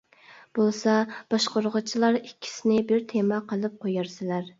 بولسا باشقۇرغۇچىلار ئىككىسىنى بىر تېما قىلىپ قويارسىلەر.